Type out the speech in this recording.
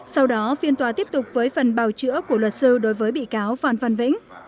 sau đó phiên tòa tiếp tục với phần bào chữa của luật sư đối với bị cáo phan văn vĩnh